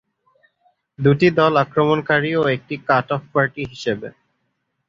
দুটি দল আক্রমণকারী ও একটি কাট অফ পার্টি হিসেবে।